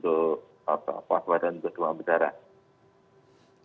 jadi bisa dilakukan bahkan mungkin tidak perlu biaya terlalu banyak ya untuk kewaspadaan